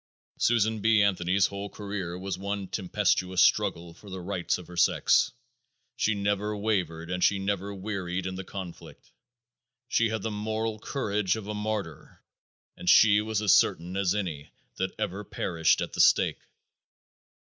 Susan B. Anthony's whole career was one tempestuous struggle for the rights of her sex. She never wavered and she never wearied in the conflict. She had the moral courage of a martyr, and such she was as certainly as any that ever perished at the stake.